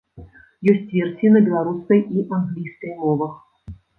Ёсць версіі на беларускай і англійскай мовах.